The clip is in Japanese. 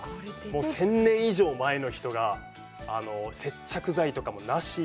１０００年以上前の人が接着剤とかもなしに。